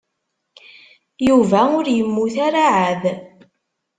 Yuba ur yemmut ara ɛad.